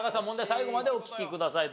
最後までお聞きください。